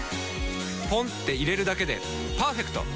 ポンって入れるだけでパーフェクト！